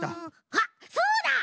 あっそうだ！